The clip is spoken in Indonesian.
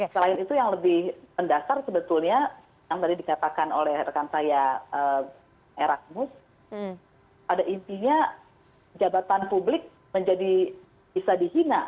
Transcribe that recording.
selain itu yang lebih mendasar sebetulnya yang tadi dikatakan oleh rekan saya eragmus pada intinya jabatan publik menjadi bisa dihina